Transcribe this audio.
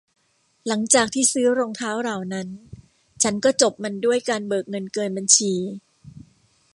หลังจากที่ซื้อรองเท้าเหล่านั้น ฉันก็จบมันด้วยการเบิกเงินเกินบัญชี